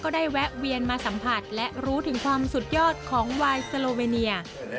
ได้แวะเวียนมาสัมผัสและรู้ถึงความสุดยอดของวายสโลเวเนีย